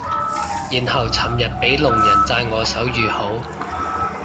然後尋日俾聾人讚我手語好